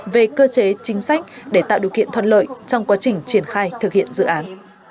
về cơ chế chính sách để tạo điều kiện thuận lợi trong quá trình triển khai thực hiện dự án